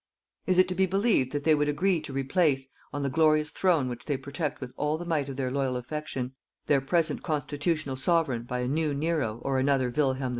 Is it to be believed that they would agree to replace, on the glorious Throne which they protect with all the might of their loyal affection, their present constitutional Sovereign by a new Nero or another Wilhelm II?